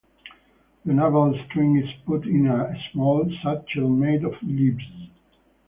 The navel string is put in a small satchel made of leaves.